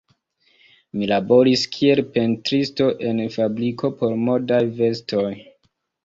Mi laboris kiel pentristo en fabriko por modaj vestoj.